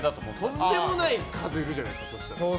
とんでもない数いるじゃないですか。